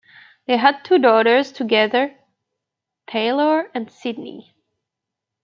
They had two daughters together, Taelor and Sydni.